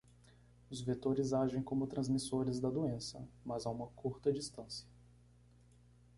Os vetores agem como transmissores da doença, mas a uma curta distância.